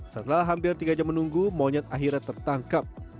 setelah hampir tiga jam menunggu monyet akhirnya tertangkap